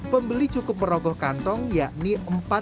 pembeli cukup merogoh kantong yakni rp empat